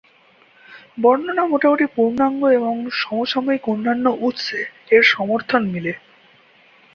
বর্ণনা মোটামুটি পূর্ণাঙ্গ এবং সমসাময়িক অন্যান্য উৎসে এর সমর্থন মিলে।